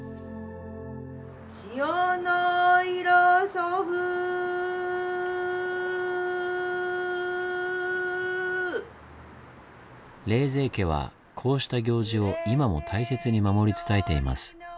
これはね冷泉家はこうした行事を今も大切に守り伝えています。